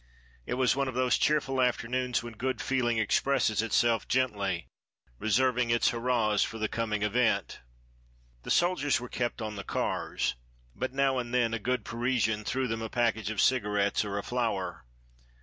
It was one of those cheerful afternoons when good feeling expresses itself gently, reserving its hurrahs for the coming event. The soldiers were kept on the cars, but now and then a good Parisian threw them a package of cigarettes or a flower.